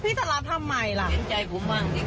พี่ต้องเห็นใจดู